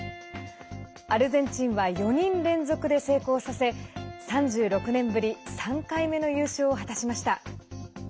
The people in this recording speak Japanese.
アルゼンチンは４人連続で成功させ３６年ぶり３回目の優勝を果たしました。